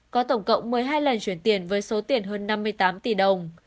có tổng cộng một mươi hai lần chuyển tiền với số tiền hơn năm mươi tám tỷ đồng